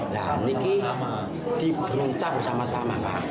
nah ini diberunca bersama sama